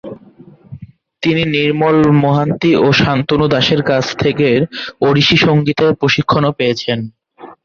তিনি নির্মল মোহান্তি ও শান্তনু দাসের কাছ থেকে ওড়িশি সংগীতের প্রশিক্ষণও পেয়েছেন।